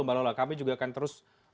mbak lola kami juga akan terus